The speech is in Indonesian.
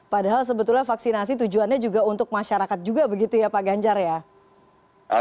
padahal sebetulnya vaksinasi tujuannya juga untuk masyarakat juga begitu ya pak ganjar ya